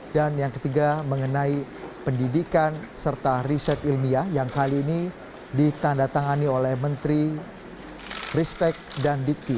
dan yang ketiga mengenai pendidikan serta riset ilmiah yang kali ini ditandatangani oleh menteri ristek dan dipti